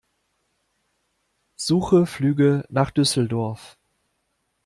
Suche Flüge nach Düsseldorf.